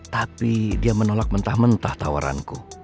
tapi dia menolak mentah mentah tawaranku